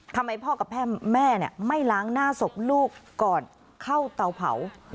ทำไมพ่อกับแม่ไม่ล้างหน้าศพลูกก่อนเข้าเตาเผา